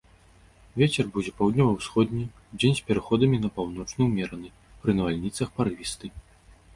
Вецер будзе паўднёва-ўсходні, удзень з пераходам на паўночны ўмераны, пры навальніцах парывісты.